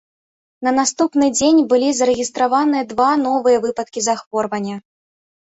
На наступны дзень былі зарэгістраваныя два новыя выпадкі захворвання.